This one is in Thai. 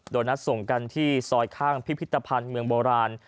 โดยนัดส่งกันที่ซอยข้างพิพิธภัณฑ์เมืองโบราณ